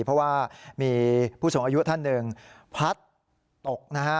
เพราะว่ามีผู้สูงอายุท่านหนึ่งพัดตกนะฮะ